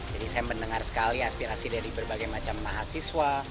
jadi saya mendengar sekali aspirasi dari berbagai macam mahasiswa